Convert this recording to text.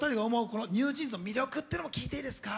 このＮｅｗＪｅａｎｓの魅力ってのも聞いていいですか？